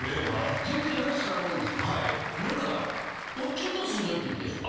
全然話変わるんですけど何かおっちゃんと住んでるって言ってたでしょ？